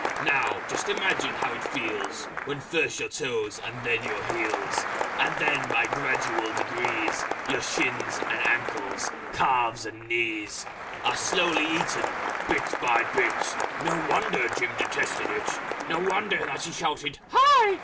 Now just imagine how it feels When first your toes and then your heels, And then by gradual degrees, Your shins and ankles, calves and knees, Are slowly eaten, bit by bit. No wonder Jim detested it! No wonder that he shouted "Hi!"